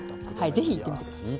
是非行ってみてください。